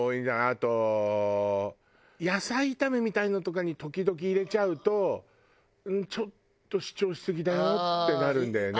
あと野菜炒めみたいのとかに時々入れちゃうとちょっと主張しすぎだよってなるんだよね。